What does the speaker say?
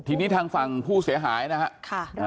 ก็ทีนี้ทางฝั่งผู้เสียหายนะฮะค่ะอ่า